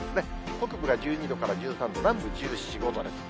北部が１２度から１３度、南部１４、５度です。